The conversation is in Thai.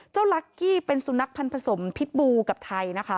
ลักกี้เป็นสุนัขพันธ์ผสมพิษบูกับไทยนะคะ